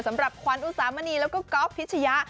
สำหรับขวัญอุสามณีแล้วก็ก๊อฟพิชยะ